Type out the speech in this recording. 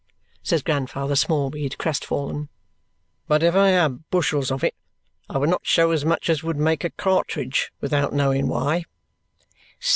says Grandfather Smallweed, crest fallen. "But if I had bushels of it, I would not show as much as would make a cartridge without knowing why."